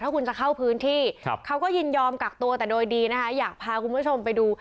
ถ้าคุณจะเข้าพื้นที่เขาก็ยินยอมกักตัวแต่โดยดีนะคะอยากพาคุณผู้ชมไปดู